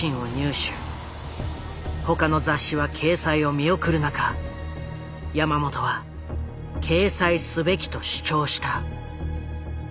他の雑誌は掲載を見送る中山本は掲載すべきと主張した。